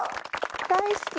大好き！